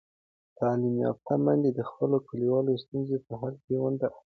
تعلیم یافته میندې د خپلو کلیوالو ستونزو په حل کې ونډه اخلي.